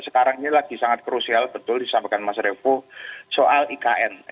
sekarang ini lagi sangat krusial betul disampaikan mas revo soal ikn